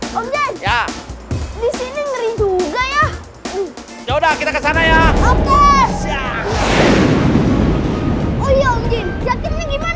hai hai hai om jeng ya di sini ngeri juga ya udah kita kesana ya oke